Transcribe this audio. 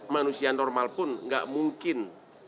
manusia normal pun nggak mungkin